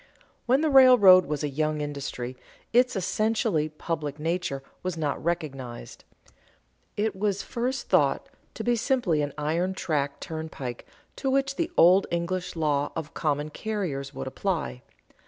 _ When the railroad was a young industry, its essentially public nature was not recognized. It was at first thought to be simply an iron track turnpike to which the old English law of common carriers would apply.